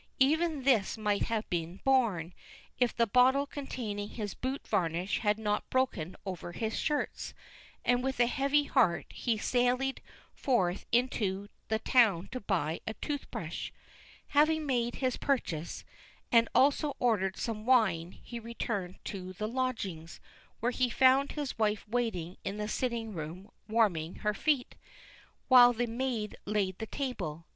Even this might have been borne, if the bottle containing his boot varnish had not broken over his shirts; and with a heavy heart he sallied forth into the town to buy a tooth brush. Having made his purchase, and also ordered some wine, he returned to the lodgings, where he found his wife waiting in the sitting room warming her feet, while the maid laid the table.